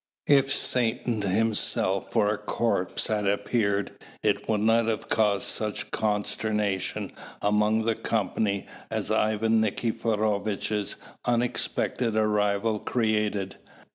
If Satan himself or a corpse had appeared, it would not have caused such consternation amongst the company as Ivan Nikiforovitch's unexpected arrival created.